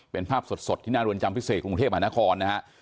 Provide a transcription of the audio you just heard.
เป็นภาพสดที่น่ารวมจำพิเศษกรุงเทพอาณาคอนนะครับ